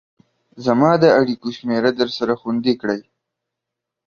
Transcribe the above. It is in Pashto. زما د اړيكو شمېره درسره خوندي کړئ